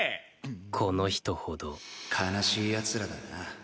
この人ほど悲しい奴らだな。